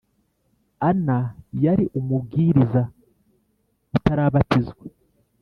anna yari umubwiriza utarabatizwa